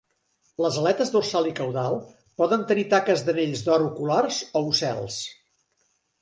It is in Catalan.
Les aletes dorsal i caudal poden tenir taques d'anells d'or oculars o ocels.